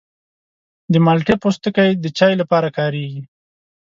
د مالټې پوستکی د چای لپاره کارېږي.